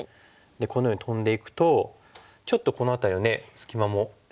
このようにトンでいくとちょっとこの辺りの隙間も空いてますし。